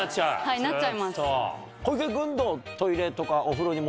はいなっちゃいます。